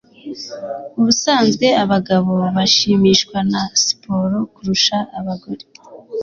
Ubusanzwe abagabo bashimishwa na siporo kurusha abagore